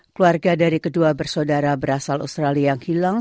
keluarga dari kedua bersaudara berasal australia yang hilang